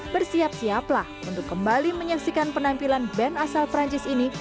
bersiap siaplah untuk kembali menyaksikan penampilan band asal perancis ini